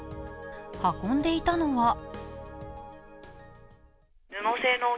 運んでいたのは？